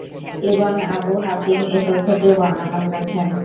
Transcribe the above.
Ibn Abu Hatim এ তথ্যটিও বর্ণনা করেছেন।